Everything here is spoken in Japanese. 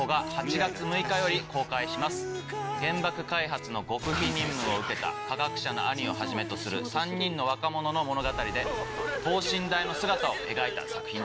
原爆開発の極秘任務を受けた科学者の兄をはじめとする３人の若者の物語で等身大の姿を描いた作品です。